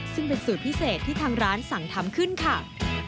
ซึ่งเป็นสูตรพิเศษที่ทางร้านสั่งทำขึ้นค่ะ